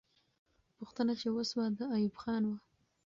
پوښتنه چې وسوه، د ایوب خان وه.